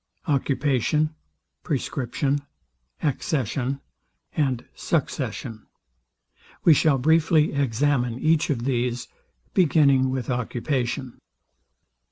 Occupation, Prescription, Accession, and Succession. We shall briefly examine each of these, beginning with Occupation.